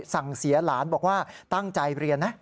สั่งเสียหลานบอกว่าตั้งใจเรียนนะ